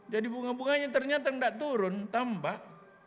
jadi bunga bunganya ternyata tidak turun tampak